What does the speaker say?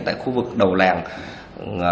tại khu vực đầu làng